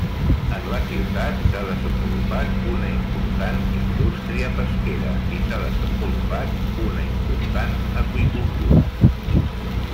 En la ciutat s'ha desenvolupat una important indústria pesquera, i s'ha desenvolupat una important aqüicultura.